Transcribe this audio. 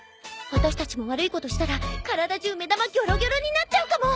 私たちも悪いことしたら体中目玉ぎょろぎょろになっちゃうかも。